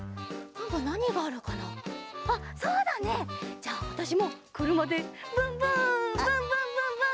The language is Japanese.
じゃあわたしもくるまでブンブンブンブンブンブン！